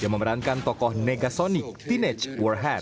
yang memerankan tokoh negasonic teenage worhat